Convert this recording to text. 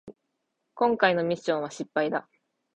こんかいのミッションは失敗だ